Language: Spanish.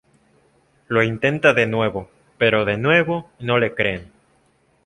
Lo intenta de nuevo pero de nuevo no le creen.